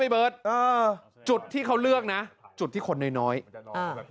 เบิร์ตเออจุดที่เขาเลือกนะจุดที่คนน้อยน้อยอ่า